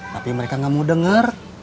tapi mereka enggak mau denger